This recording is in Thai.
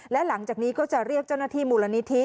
และหลังจากนี้ก็จะเรียกเจ้าหน้าที่มูลนิธิ